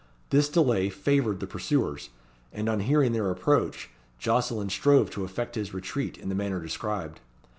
This delay favoured the pursuers; and on hearing their approach, Jocelyn strove to effect his retreat in the manner described.